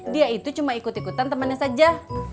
dia itu cuma ikut ikutan temannya saja